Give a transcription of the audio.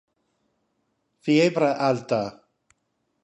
Fiebre alta